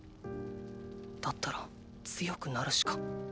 だったら強くなるしか。